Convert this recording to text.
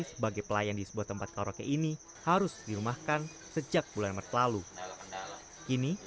sebagai pelayan disebut tempat karaoke ini harus dirumahkan sejak bulan mert lalu ini